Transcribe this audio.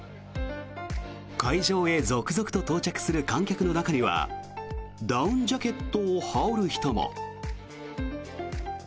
会場へ続々と到着する観客の中にはダウンジャケットを羽織る人も。